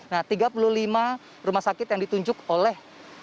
nah tiga puluh lima rumah sakit yang ditunjuk oleh